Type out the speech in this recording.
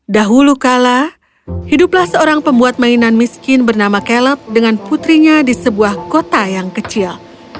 dahulu kala hiduplah seorang pembuat mainan miskin bernama caleb dengan putrinya di sebuah kota yang kecil